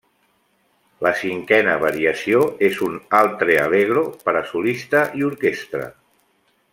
La cinquena variació és un altre allegro per a solista i orquestra.